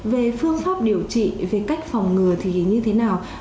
về phương pháp điều trị về cách phòng ngừa thì như thế nào